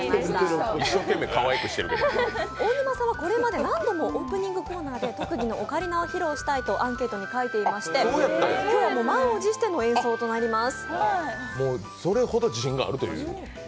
大沼さんはこれまで何度もオープニングコーナーで特技のオカリナを披露したいとアンケートに書いていまして今日、満を持しての演奏となります。